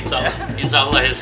insya allah insya allah